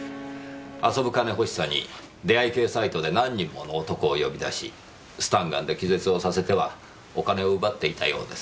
遊ぶ金欲しさに出会い系サイトで何人もの男を呼び出しスタンガンで気絶をさせてはお金を奪っていたようです。